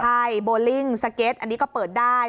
ใช่โบลิ่งสเก็ตอันนี้ก็เปิดได้